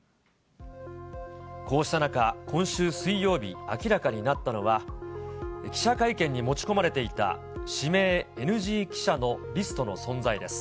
こうした中、今週水曜日、明らかになったのは、記者会見に持ち込まれていた指名ＮＧ記者のリストの存在です。